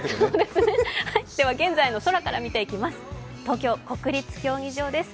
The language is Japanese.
では現在の空から見ていきます。